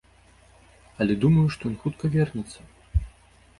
Але думаю, што ён хутка вернецца.